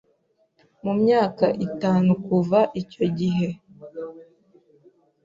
mu myaka itanu kuva icyo gihe